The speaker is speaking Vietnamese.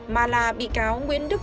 mà là bị cáo